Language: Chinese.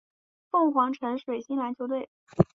凤凰城水星篮球队。